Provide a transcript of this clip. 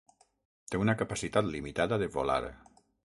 Té una capacitat limitada de volar.